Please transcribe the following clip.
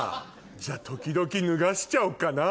じゃ時々脱がしちゃおっかな。